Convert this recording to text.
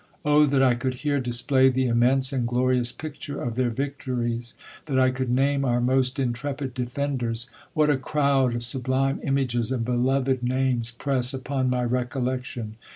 Oh that I could here display die immense and glorious picture of their victories I that I could name our most intrepid defenders ! W hat a crowd of sublime images and beloved names press upon my recollection